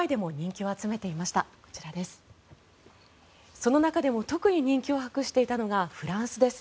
その中でも特に人気を博していたのがフランスです。